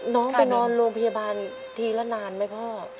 น้องไปนอนโรงพยาบาลทีละนานไหมพ่อ